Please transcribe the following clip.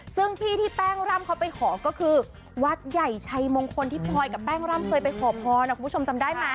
ซึ่งที่ที่แป้งร่ำเขาไปขอก็คือวัดใหญ่ชัยมงคลที่พลอยกับแป้งร่ำเคยไปขอพรคุณผู้ชมจำได้ไหม